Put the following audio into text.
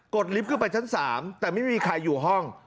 ดลิฟต์ขึ้นไปชั้น๓แต่ไม่มีใครอยู่ห้อง